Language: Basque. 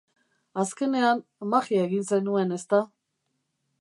Azkenean magia egin zenuen, ezta?